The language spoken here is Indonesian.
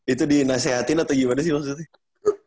itu dinasehatin atau gimana sih maksudnya